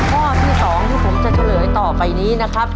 ข้อที่๒ที่ผมจะเฉลยต่อไปนี้นะครับ